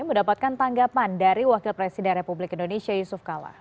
mendapatkan tanggapan dari wakil presiden republik indonesia yusuf kala